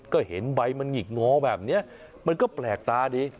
ก็เห็นใบมันหงิกงอแบบนี้มันก็แปลกตาดี